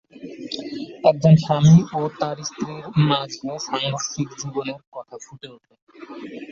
এখানে একজন স্বামী ও তার স্ত্রীর মাঝে সাংঘর্ষিক জীবনের কথা ফুটে উঠে।